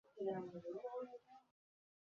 মনের গুপ্ত দরজাটা খুলে গেল!